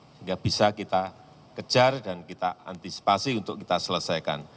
sehingga bisa kita kejar dan kita antisipasi untuk kita selesaikan